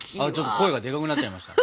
声デカくなっちゃいましたね。